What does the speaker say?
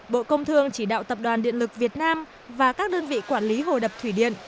bộ công thương chỉ đạo tập đoàn điện lực việt nam và các đơn vị quản lý hồ đập thủy điện